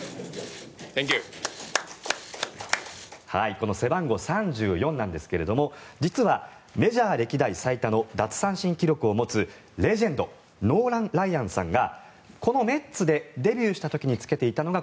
この背番号３４なんですが実は、メジャー歴代最多の奪三振記録を持つレジェンドノーラン・ライアンさんがこのメッツでデビューした時につけていたのが